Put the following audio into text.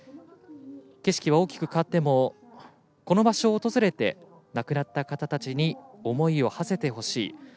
景色は大きく変わってもこの場所を訪れて亡くなった方たちに思いをはせてほしい。